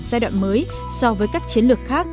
giai đoạn mới so với các chiến lược khác